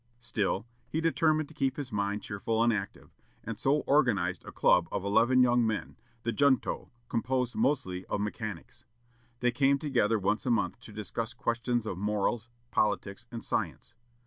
Still, he determined to keep his mind cheerful and active, and so organized a club of eleven young men, the "Junto," composed mostly of mechanics. They came together once a month to discuss questions of morals, politics, and science.